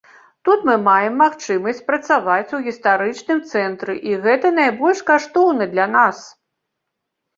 Тут мы маем магчымасць працаваць у гістарычным цэнтры і гэта найбольш каштоўна для нас.